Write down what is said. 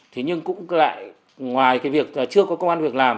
thế nhưng cũng lại ngoài cái việc chưa có công an việc làm